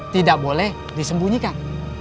tidak boleh disembunyikan